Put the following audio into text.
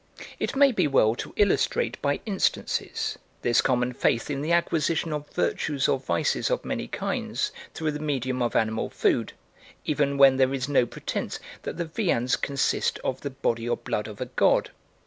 It may be well to illustrate by instances this common faith in the acquisition of virtues or vices of many kinds through the medium of animal food, even when there is no pretence that the viands consist of the body or blood of a god.